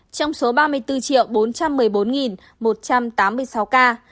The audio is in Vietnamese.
trong số ba mươi bốn bốn trăm một mươi bốn một trăm tám mươi sáu ca